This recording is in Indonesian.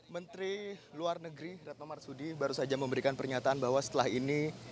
menteri luar negeri retno marsudi baru saja memberikan pernyataan bahwa setelah ini